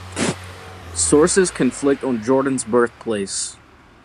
Sources conflict on Jordan's birthplace.